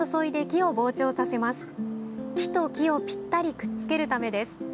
木と木をぴったりくっつけるためです。